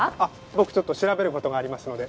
僕ちょっと調べる事がありますので。